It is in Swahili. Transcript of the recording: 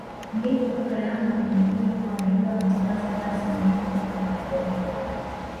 Ndipo kaka yangu aliniambia kuwa Redio wametangaza kazi niende nikajaribu